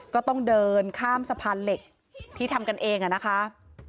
ก็ต้องเดินข้ามสะพานเหล็กที่ทำกันเองอะนะคะ